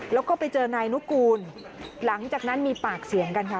แล้วก็ไปเจอนายนุกูลหลังจากนั้นมีปากเสียงกันค่ะ